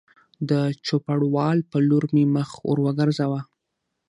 د چوپړوال په لور مې مخ ور وګرځاوه